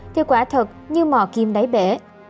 thì quả thật như mò kim đáy bể